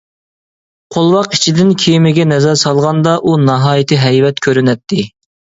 قولۋاق ئىچىدىن كېمىگە نەزەر سالغاندا ئۇ ناھايىتى ھەيۋەت كۆرۈنەتتى.